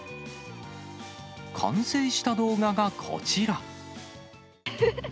完成した動画がこちら。